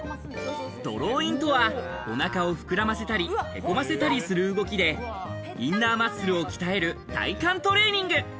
ドローインとは、おなかを膨らませたりへこませたりする動きで、インナーマッスルを鍛える体幹トレーニング。